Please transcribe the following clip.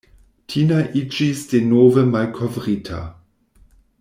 Tina iĝis denove "malkovrita".